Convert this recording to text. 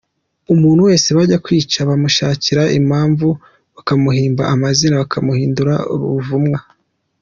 Umuntu wese bajya kwica bamushakira impamvu, bakamuhimba amazina bakamuhindura ruvumwa.